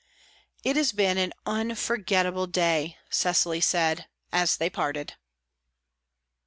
"It has been an unforgettable day," Cecily said, as they parted.